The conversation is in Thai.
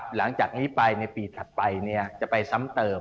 หลังจากนี้ไปในปีถัดไปจะไปซ้ำเติม